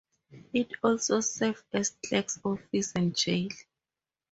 It also served as clerk's office and jail.